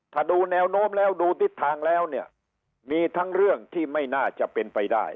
ถ้าดูแนวโน้มแล้วดูทิศทางแล้วเนี่ยมีทั้งเรื่องที่ไม่น่าจะเป็นไปได้